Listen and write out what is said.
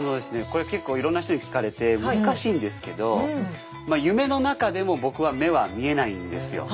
これ結構いろんな人に聞かれて難しいんですけど夢の中でも僕は目は見えないんですよ。